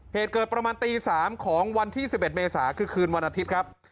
เหตุเกิดประมาณตี๓ของวันที่๑๑เมษาคือคืนวันอาทิตย์ครับ